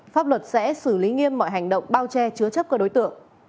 pháp luật sẽ xử lý nghiêm mọi hành động bao che chứa chấp các đối tượng